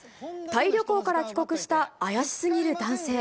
タイ旅行から帰国した怪しすぎる男性。